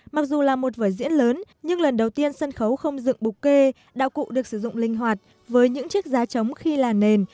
mặc dù là một vở diễn lớn nhưng lần đầu tiên sân khấu không dựng bục kê đạo cụ được sử dụng linh hoạt với những chiếc giá trống khi là nền